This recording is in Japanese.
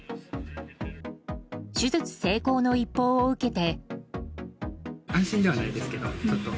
手術成功の一報を受けて。